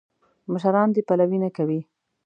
مشران دې پلوي نه کوي.